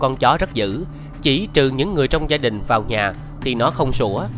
con chó rất dữ chỉ trừ những người trong gia đình vào nhà thì nó không sủa